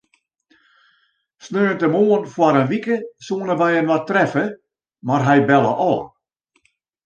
Sneontemoarn foar in wike soene wy inoar treffe, mar hy belle ôf.